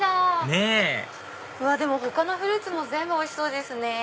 ねぇでも他のフルーツも全部おいしそうですね。